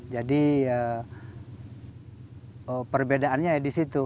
jadi perbedaannya di situ